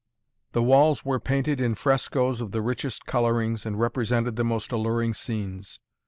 The walls were painted in frescoes of the richest colorings and represented the most alluring scenes.